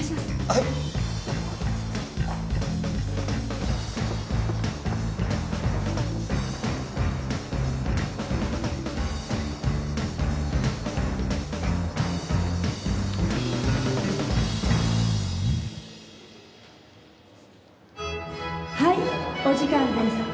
はいはいお時間です